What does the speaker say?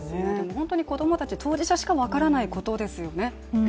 本当に子供たち当事者にしか分からないことですよね。